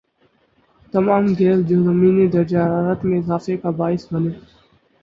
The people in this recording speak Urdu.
تمام گیسیں جو زمینی درجہ حرارت میں اضافے کا باعث بنیں